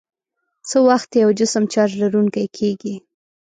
څه وخت یو جسم چارج لرونکی کیږي؟